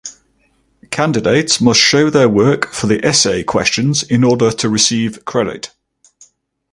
Candidates must show their work for the essay questions in order to receive credit.